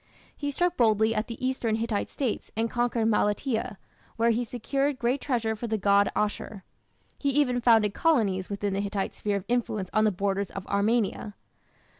He struck boldly at the eastern Hittite States and conquered Malatia, where he secured great treasure for the god Ashur. He even founded colonies within the Hittite sphere of influence on the borders of Armenia.